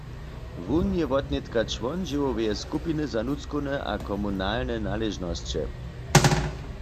Wón je wotnětka čłon dźěłoweje skupiny za nutřkowne a komunalne naležnosće.